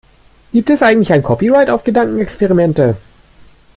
Gibt es eigentlich ein Copyright auf Gedankenexperimente?